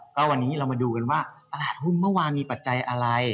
ก็วันนี้เรามาดูกันว่าตลาดหุ้นเมื่อวานมีปัจจัยอะไร